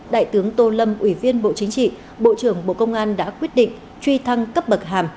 đại tướng tô lâm ủy viên bộ chính trị bộ trưởng bộ công an đã quyết định truy thăng cấp bậc hàm